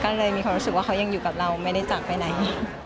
ก็เลยมีความรู้สึกว่าเขายังอยู่กับเราไม่ได้จากไปไหน